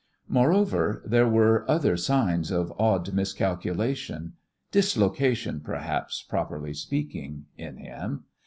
Moreover, there were other signs of an odd miscalculation dislocation, perhaps, properly speaking in him.